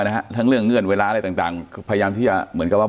นะฮะทั้งเรื่องเงื่อนเวลาอะไรต่างต่างพยายามที่จะเหมือนกับว่า